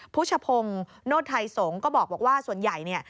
ผู้ชพงศ์โนธไทยสงฆ์ก็บอกว่าส่วนใหญ่เนี่ย